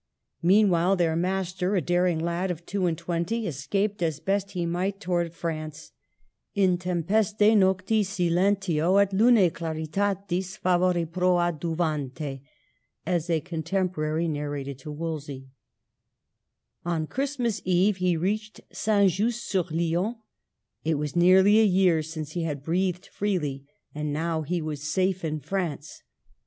Meanwhile their mas ter, a daring lad of two and twenty, escaped as best he might towards France, intempeste 112 MARGARET OF ANGOULi^ME. noctis silentio, et lune claritatis favore proadju vante," as a contemporary narrated to Wolsey. On Christmas eve he reached St. Just sur Lyon. It was nearly a year since he had breathed freely, and now he was safe in France.